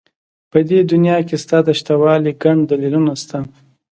په دې دنيا کې ستا د شتهوالي گڼ دلیلونه شته.